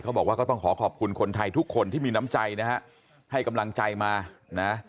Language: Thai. บอกว่าก็ต้องขอขอบคุณคนไทยทุกคนที่มีน้ำใจนะฮะให้กำลังใจมานะ